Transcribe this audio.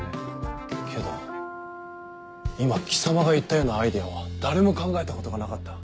けど今貴様が言ったようなアイデアは誰も考えたことがなかった。